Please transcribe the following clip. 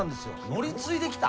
乗り継いできた？